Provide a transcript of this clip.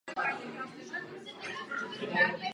Otázka Kosova je citlivá a vyžaduje si obezřetnost.